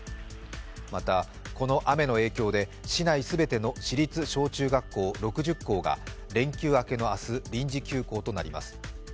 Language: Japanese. また、この雨の影響で市内全ての市立小中学校６０校が連休明けの明日、臨時休校となります。